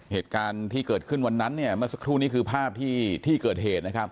เหตุการณ์ที่เกิดขึ้นวันนั้นเนี่ยเมื่อสักครู่นี้คือภาพที่ที่เกิดเหตุนะครับ